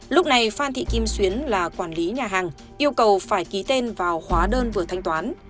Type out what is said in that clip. lúc này phan thị kim xuyến là quản lý nhà hàng yêu cầu phải ký tên vào hóa đơn vừa thanh toán